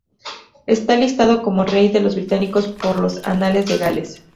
Está listado como Rey de los Britanos por los Anales de Gales.